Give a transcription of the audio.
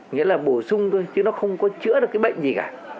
nghĩa là bổ sung thôi chứ nó không có chữa được cái bệnh gì cả